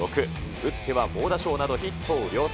打っては猛打賞など、ヒットを量産。